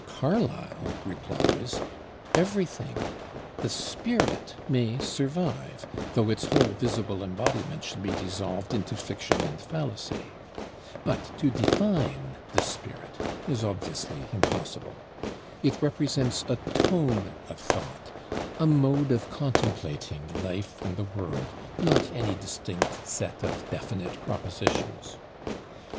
Carlyle replies, Everything. The spirit may survive, though its whole visible embodiment should be dissolved into fiction and fallacy. But to define this spirit is obviously impossible. It represents a tone of thought, a mode of contemplating life and the world, not any distinct set of definite propositions.